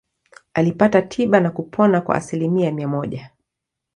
Alipata tiba na kupona kwa asilimia mia moja.